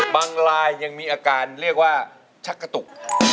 บางรายยังมีอาการเรียกว่าชักกระตุก